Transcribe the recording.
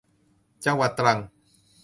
จังหวัดตรัง